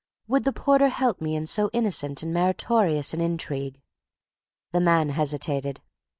Would the porter help me in so innocent and meritorious an intrigue? The man hesitated.